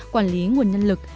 quản lý nguồn nhân lực